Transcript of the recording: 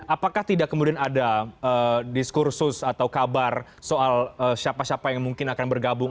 apakah tidak kemudian ada diskursus atau kabar soal siapa siapa yang mungkin akan bergabung